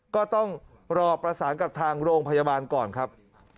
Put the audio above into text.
ก็ต้องรอประสานกับทางโรงพยาบาลก่อนครับ